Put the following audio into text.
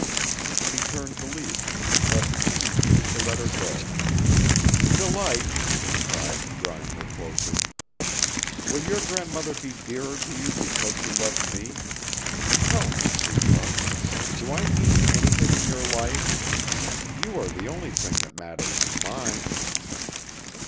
She turned to leave him, but he refused to let her go. "Delight," he cried, drawing her closer, "will your grandmother be dearer to you because she loved me? Tell me, sweetheart! Do I mean anything in your life? You are the only thing that matters in mine."